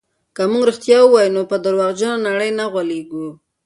که موږ رښتیا ووایو نو په درواغجنې نړۍ نه غولېږو.